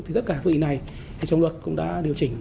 thì tất cả quy định này trong luật cũng đã điều chỉnh